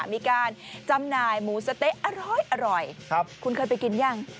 มีการจำหน่ายหมูสะเต๊ะอร้อยคุณเคยไปกินยัง